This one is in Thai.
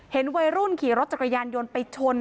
วัยรุ่นขี่รถจักรยานยนต์ไปชน